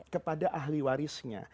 kepada ahli warisnya